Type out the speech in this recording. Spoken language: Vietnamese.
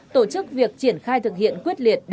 tổ chức việc triển khai thực hiện quyết liệt